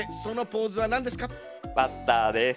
バッターです。